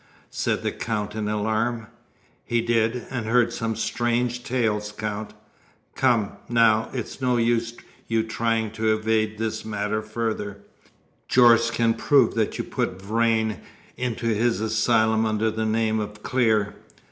said the Count in alarm. "He did, and heard some strange tales, Count. Come, now, it is no use your trying to evade this matter further. Jorce can prove that you put Vrain into his asylum under the name of Clear.